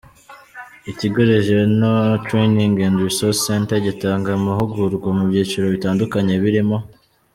Ikigo Regional Training & Resource Centre gitanga amahugurwa mu byiciro bitandukanye birimo.